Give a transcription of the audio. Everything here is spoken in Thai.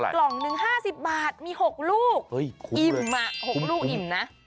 กล่องหนึ่ง๕๐บาทมี๖ลูกอิ่ม๖ลูกอิ่มนะ